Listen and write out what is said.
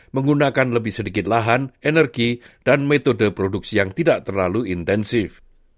menggunakan lebih sedikit lahan energi dan metode produksi yang tidak terlalu intensif